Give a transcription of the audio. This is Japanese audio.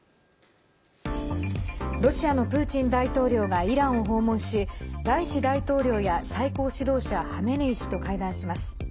ロシアのプーチン大統領がイランを訪問しライシ大統領や最高指導者ハメネイ師と会談します。